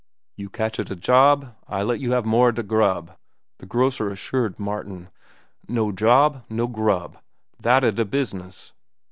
"You catcha da job, I let you have mora da grub," the grocer assured Martin. "No job, no grub. Thata da business."